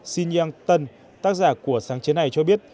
xin yang tan tác giả của sáng chế này cho biết